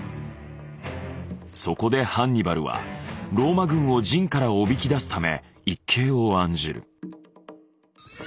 そこでハンニバルはローマ軍を陣からおびき出すため一計を案じる。